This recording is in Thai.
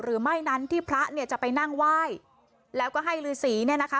หรือไม่นั้นที่พระเนี่ยจะไปนั่งไหว้แล้วก็ให้ฤษีเนี่ยนะคะ